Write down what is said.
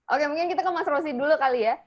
oke mungkin kita ke mas rosi dulu kali ya